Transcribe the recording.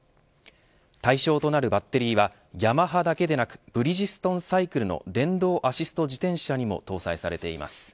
対象となるバッテリーはヤマハだけでなくブリヂストンサイクルの電動アシスト自転車にも搭載されています。